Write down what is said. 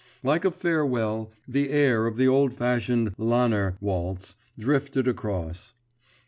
Like a farewell, the air of the old fashioned Lanner waltz drifted across.